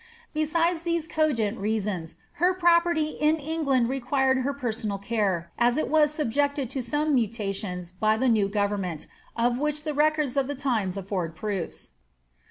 Besides these cogent reasons, her property in England required her personal care, as it wai subjected to some mutations by the new government, of which the records of the limes afibrd proofs.